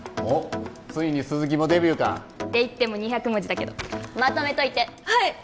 おっついに鈴木もデビューかっていっても２００文字だけどまとめといてはい！